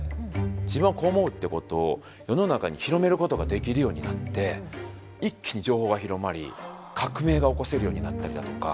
自分はこう思うってことを世の中に広めることができるようになって一気に情報が広まり革命が起こせるようになったりだとか。